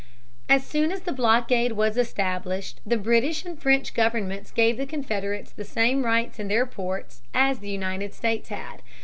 As soon as the blockade was established, the British and French governments gave the Confederates the same rights in their ports as the United States had.